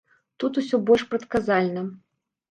Тут усё больш прадказальна.